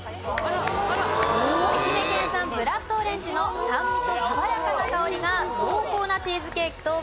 愛媛県産ブラッドオレンジの酸味と爽やかな香りが濃厚なチーズケーキとベストマッチ。